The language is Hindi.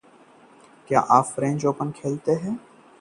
फ्रेंच ओपन: बार्टी ने जीता पहला ग्रैंड स्लैम खिताब